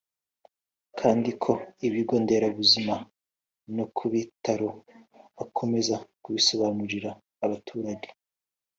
kandi ku bigo nderabuzima no ku bitaro bakomeza kubisobanurira abaturage